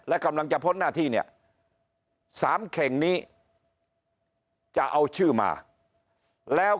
และกำลังจะพ้นหน้าที่เนี่ย๓เข่งนี้จะเอาชื่อมาแล้ว